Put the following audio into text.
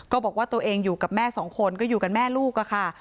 บอกว่าตัวเองอยู่กับแม่สองคนก็อยู่กันแม่ลูกค่ะ